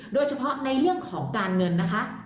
โดยเฉพาะในเรื่องของการเงินนะคะ